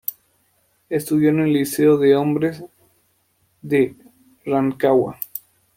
Estudió en el Liceo de Hombres de Rancagua.